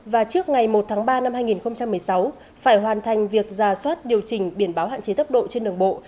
và trước ngày một tháng ba năm hai nghìn một mươi sáu phải hoàn thành việc ra soát điều chỉnh biển báo hạn chế tốc độ trên đường bộ